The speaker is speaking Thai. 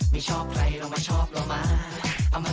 ไม่ชอบใครลองมาชอบเรามา